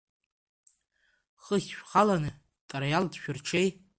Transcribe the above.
Хыхь шәхаланы Тариал дшәырҽеи!